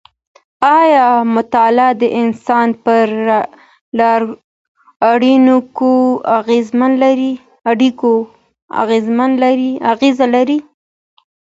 ایا مطالعه د انسان پر اړیکو اغېز لري؟